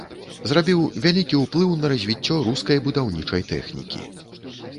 Зрабіў вялікі ўплыў на развіццё рускай будаўнічай тэхнікі.